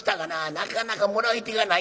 なかなかもらい手がない。